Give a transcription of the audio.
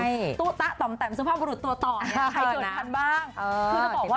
คุณผู้ชมไม่เจนเลยค่ะถ้าลูกคุณออกมาได้มั้ยคะ